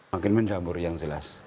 makin mencabur yang jelas